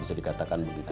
bisa dikatakan begitu